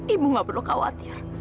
ibu gak perlu khawatir